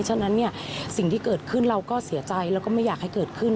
ฉะนั้นเนี่ยสิ่งที่เกิดขึ้นเราก็เสียใจแล้วก็ไม่อยากให้เกิดขึ้น